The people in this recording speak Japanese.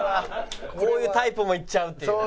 こういうタイプもいっちゃうっていう。